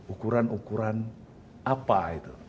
ukuran ukuran apa itu